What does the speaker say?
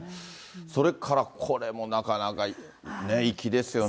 それからこれもなかなか、粋ですよね。